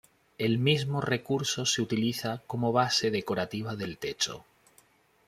El mismo recurso se utiliza como base decorativa del techo.